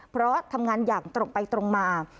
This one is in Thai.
เพราะทำงานอย่างตรงไปตรงมา